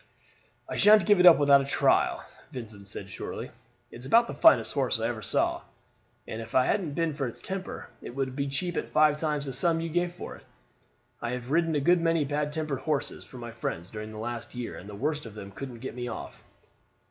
"I sha'n't give it up without a trial," Vincent said shortly. "It is about the finest horse I ever saw; and if it hadn't been for its temper, it would be cheap at five times the sum you gave for it. I have ridden a good many bad tempered horses for my friends during the last year, and the worst of them couldn't get me off."